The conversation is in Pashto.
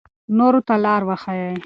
نورو ته لار وښایئ.